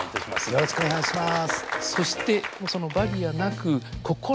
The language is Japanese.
よろしくお願いします。